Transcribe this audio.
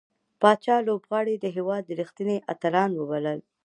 پاچا لوبغاړي د هيواد رښتينې اتلان وبلل .